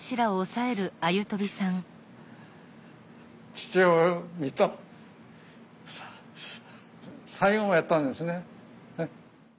父親を見た最後やったんですね。